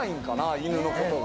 犬のことが。